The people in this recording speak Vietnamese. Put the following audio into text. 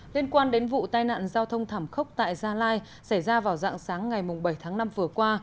liên quan đến vụ tai nạn giao thông thảm khốc tại gia lai xảy ra vào dạng sáng ngày bảy tháng năm vừa qua